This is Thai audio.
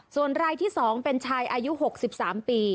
ส่วนรายที่๒เป็นชายอายุ๖๓ปี